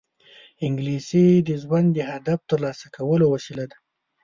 انګلیسي د ژوند د هدف ترلاسه کولو وسیله ده